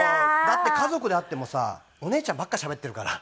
だって家族で会ってもさお姉ちゃんばっかりしゃべっているから。